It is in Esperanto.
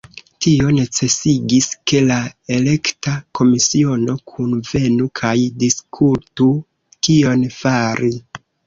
Tio necesigis, ke la elekta komisiono kunvenu kaj diskutu kion fari.